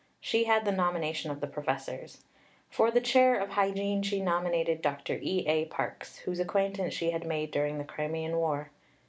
She had the nomination of the professors. For the chair of Hygiene she nominated Dr. E. A. Parkes, whose acquaintance she had made during the Crimean War.